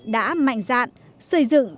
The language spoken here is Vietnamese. đã mạnh dạn xây dựng